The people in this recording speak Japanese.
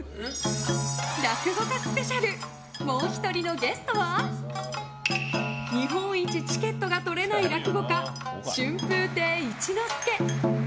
落語家ＳＰ、もう１人のゲストは日本一チケットが取れない落語家春風亭一之輔。